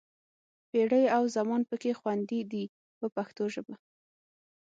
پېړۍ او زمان پکې خوندي دي په پښتو ژبه.